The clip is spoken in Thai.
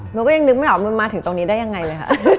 หนูก็ยังนึกไม่ออกมันมาถึงตรงนี้ได้ยังไงเลยค่ะ